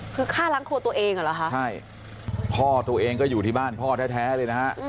คือฆ่าล้างครัวตัวเองเหรอคะใช่พ่อตัวเองก็อยู่ที่บ้านพ่อแท้เลยนะฮะ